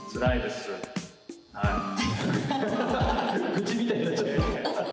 愚痴みたいになっちゃった。